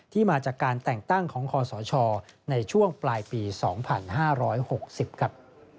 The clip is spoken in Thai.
มาจากการแต่งตั้งของคอสชในช่วงปลายปี๒๕๖๐ครับ